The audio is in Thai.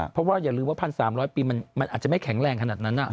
เพราะว่าอย่าลืมว่า๑๓๐๐ปีมันอาจจะไม่แข็งแรงขนาดนั้น